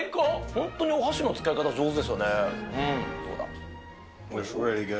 本当にお箸の使い方、上手ですよね。